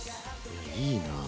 いいな。